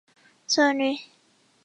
索尔尼。